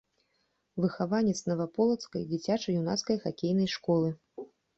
Выхаванец наваполацкай дзіцяча-юнацкай хакейнай школы.